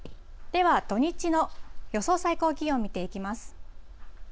では、土日の予想最高気温見ていきます。